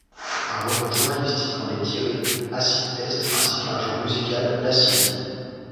Un roman journalistique en est tiré, Acid test, ainsi qu'un genre musical, l'acid.